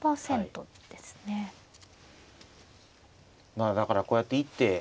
まあだからこうやって一手。